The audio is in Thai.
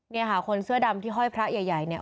เนี่ยค่ะคนเสื้อดำที่ห้อยพระใหญ่เนี่ย